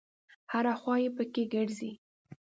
هره خوا چې په کې ګرځې.